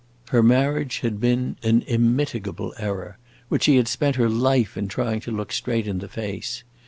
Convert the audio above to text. Her marriage had been an immitigable error which she had spent her life in trying to look straight in the face.